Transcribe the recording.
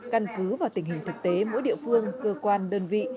căn cứ vào tình hình thực tế mỗi địa phương cơ quan đơn vị